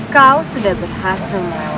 kau sudah berhasil melahirkan